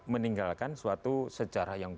meninggalkan suatu sejarah yang